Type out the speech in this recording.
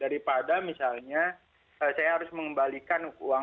daripada misalnya saya harus mengembalikan uang